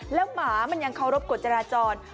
แล้วหมามันยังเคารพกฎจราจร